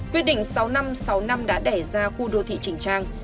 quyết định sáu năm sáu năm đã đẻ ra khu đô thị chỉnh trang